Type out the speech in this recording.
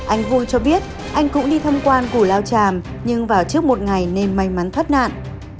anh vui cho biết anh cũng đi thăm quan củ lao tràm nhưng vào trước một ngày nên may mắn thoát nạn